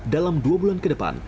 dalam dua bulan ke depan